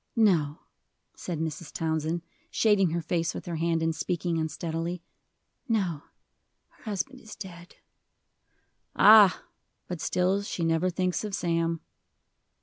"No," said Mrs. Townsend, shading her face with her hand, and speaking unsteadily; "no, her husband is dead." "Ah! but still she never thinks of Sam."